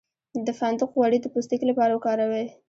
د فندق غوړي د پوستکي لپاره وکاروئ